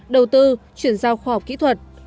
đầu tư chuyển giao khoa học kỹ thuật